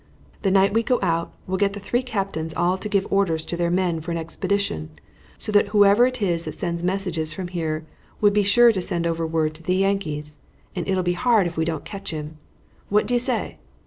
The night we go out we'll get the three captains all to give orders to their men for an expedition, so that whoever it is that sends messages from here would be sure to send over word to the Yankees; and it'll be hard if we don't ketch him. What do you say?"